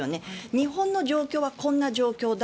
日本の状況はこんな状況だ